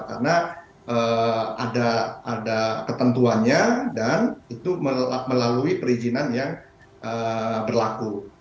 karena ada ketentuannya dan itu melalui perizinan yang berlaku